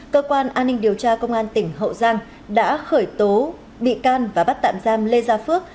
cơ quan an ninh điều tra công an tỉnh hậu giang đã khởi tố bị can và bắt tạm giam lê gia phước